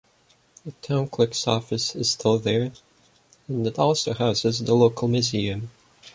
The Town Clerk's office is still there and it also houses the local museum.